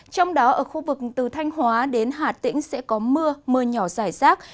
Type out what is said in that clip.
trong đó ở khu vực từ thanh hóa đến hà tĩnh sẽ có mưa mưa nhỏ rải rác